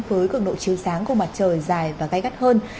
với cường độ chiều sáng của mặt trời dài và gai gắt hơn